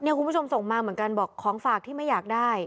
คุณผู้ชมส่งมาเหมือนกันบอกของฝากที่ไม่อยากได้